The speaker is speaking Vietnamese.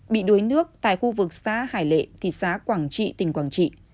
bị đuối nước tại khu vực xã hải lệ thị xã quảng trị tỉnh quảng trị